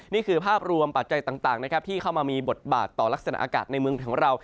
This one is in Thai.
นี่คือภาพรวมปัจจัยต่างนะครับที่เข้ามามีบทบาทต่อลักษณะอากาศในเมืองของเรา